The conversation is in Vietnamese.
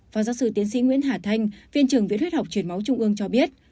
phó giáo sư tiến sĩ nguyễn hà thanh viện trường viện huyết học truyền máu trung ương cho biết